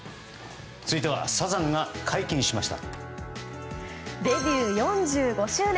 続いてはサザンが解禁しました。